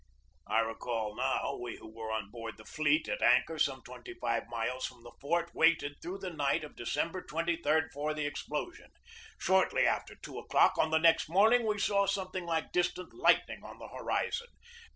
I recall how we who were on board the fleet at anchor some twenty five miles from the fort waited through the night of December 23d for the explosion. Shortly before two o'clock on the next morning we saw something like distant lightning on the horizon.